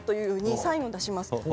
サインを出します。